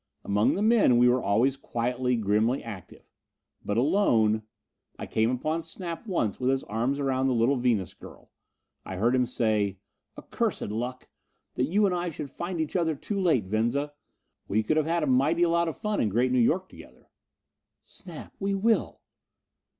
Among the men we were always quietly, grimly active. But alone.... I came upon Snap once with his arms around the little Venus girl. I heard him say: "Accursed luck! That you and I should find each other too late, Venza. We could have a mighty lot of fun in Great New York together." "Snap, we will!"